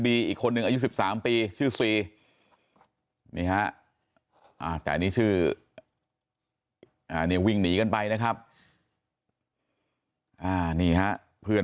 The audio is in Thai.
บีอีกคนหนึ่งอายุ๑๓ปีชื่อซีแต่นี้วิ่งหนีกันไปนะครับนี่ฮะเพื่อน